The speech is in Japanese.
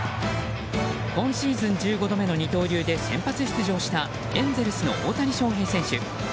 今シーズン１５度目の二刀流で先発出場したエンゼルスの大谷翔平選手。